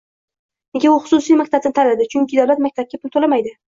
Nega u xususiy maktabni tanladi? Chunki davlat maktabga pul to'lamaydi